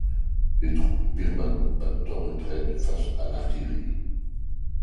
Les troupes birmanes battent en retraite face à l'artillerie.